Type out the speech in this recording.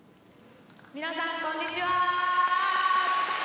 皆さんこんにちは。